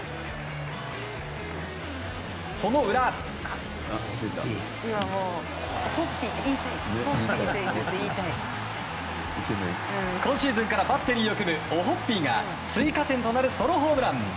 その裏、今シーズンからバッテリーを組むオホッピーが追加点となるソロホームラン！